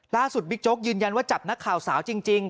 บิ๊กโจ๊กยืนยันว่าจับนักข่าวสาวจริง